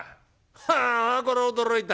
はあこれは驚いた。